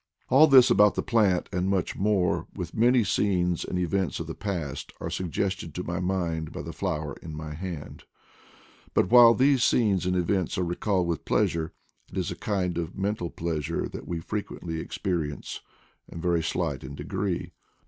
All this about the plant, and much more, with many scenes and events of the past, are suggested to my mind by the flower in my hand; but while these scenes and events are recalled with pleasure, it is a kind of mental pleasure that we frequently/ experience, and very slight in degree.